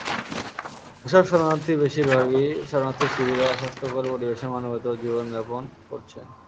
এসব শরণার্থীর বেশির ভাগই শরণার্থী শিবিরে অস্বাস্থ্যকর পরিবেশে মানবেতর জীবন যাপন করছেন।